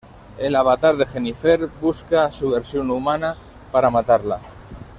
El avatar de Jennifer busca a su versión humana para matarla.